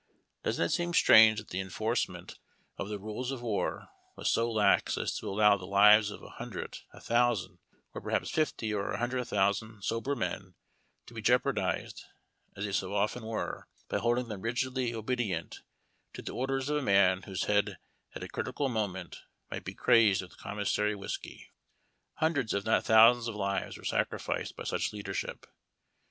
Doesn't it seem strange that the enforcement of ARMY RATIONS. 141 the rules of war was so lax as to allow the lives of a hun dred, a thousand, or perhaps fifty or a hundred thousand sober men to be jeopardized, as they so often were, by hold ing them rigidly obedient to the orders of a man whose head at a critical moment might be crazed with commissary whis key? Hundreds if not thousands of lives were sacrificed by such leadership.